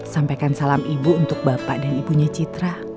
sampaikan salam ibu untuk bapak dan ibunya citra